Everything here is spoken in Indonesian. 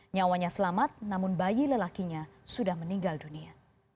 nyawanya selamat namun bayi lelakinya sudah meninggal dunia